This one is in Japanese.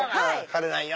枯れないよ！